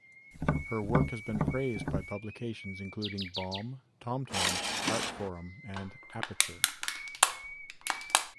Her work has been praised by publications including "Bomb", "Tom Tom", "Artforum", and "Aperture".